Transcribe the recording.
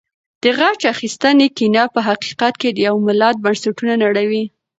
د غچ اخیستنې کینه په حقیقت کې د یو ملت بنسټونه نړوي.